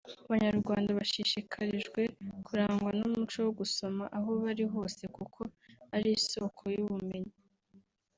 Abanyarwanda bashishikarijwe kurangwa n’umuco wo gusoma aho bari hose kuko ari isooko y’ubumenyi